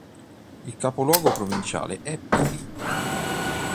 Il capoluogo provinciale è Pili.